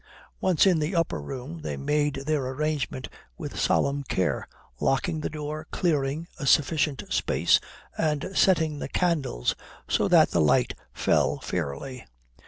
Once in the upper room they made their arrangements with solemn care, locking the door, clearing a sufficient space, and setting the candles so that the light fell fairly.